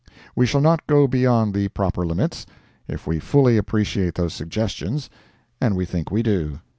We shall not go beyond the proper limits, if we fully appreciate those suggestions, and we think we do.